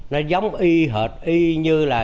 nó giống y hệt y như là